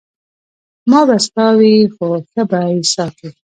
دا به ستا وي خو ښه به یې ساتې.